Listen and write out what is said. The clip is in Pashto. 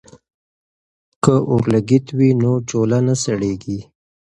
که اورلګیت وي نو چولہ نه سړیږي.